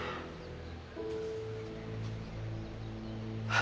あ。